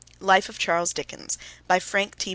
Life of Charles Dickens. By Frank T.